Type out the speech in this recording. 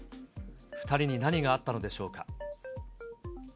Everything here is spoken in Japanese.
２人に何があったのでしょうか。